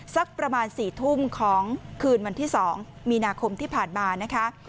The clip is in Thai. สักประมาณ๔ทุ่มของคืนวันที่๒มีนาคมที่ผ่านมานะคะ